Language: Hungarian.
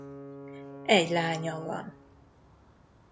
Egy lánya van.